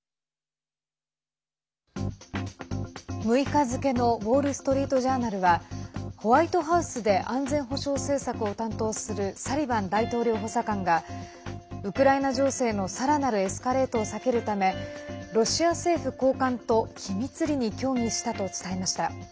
６日付のウォール・ストリート・ジャーナルはホワイトハウスで安全保障政策を担当するサリバン大統領補佐官がウクライナ情勢のさらなるエスカレートを避けるためロシア政府高官と秘密裏に協議したと伝えました。